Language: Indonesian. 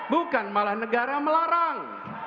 bukan malah negara melarang